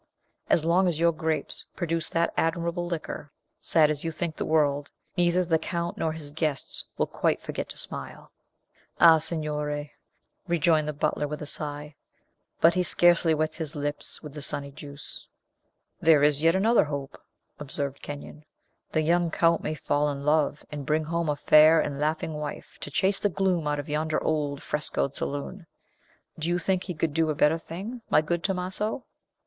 As long as your grapes produce that admirable liquor, sad as you think the world, neither the Count nor his guests will quite forget to smile." "Ah, Signore," rejoined the butler with a sigh, "but he scarcely wets his lips with the sunny juice." "There is yet another hope," observed Kenyon; "the young Count may fall in love, and bring home a fair and laughing wife to chase the gloom out of yonder old frescoed saloon. Do you think he could do a better thing, my good Tomaso?"